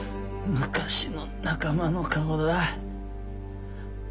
昔の仲間の顔だ。